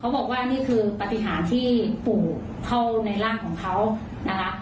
บอกว่านี่คือปฏิหารที่ปู่เข้าในร่างของเขานะคะ